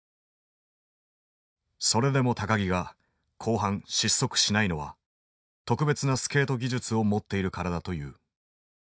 それでも木が後半失速しないのは特別なスケート技術を持っているからだという。